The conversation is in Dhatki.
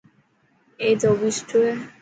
اي ڌوٻي سٺو هي.